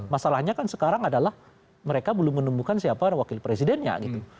masalahnya kan sekarang adalah mereka belum menemukan siapa wakil presidennya gitu